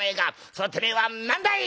それをてめえは何だい！